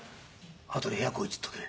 「あとで部屋来いって言っとけ」。